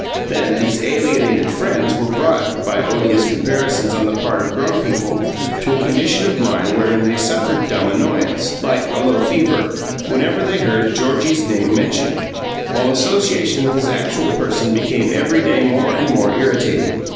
Then these alienated friends were brought (by odious comparisons on the part of grown people) to a condition of mind wherein they suffered dumb annoyance, like a low fever, whenever they heard Georgie's name mentioned, while association with his actual person became every day more and more irritating.